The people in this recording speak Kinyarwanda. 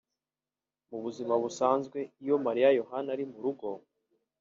Mu buzima busanzwe iyo Maria Yohana ari mu rugo